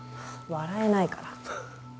笑えないから。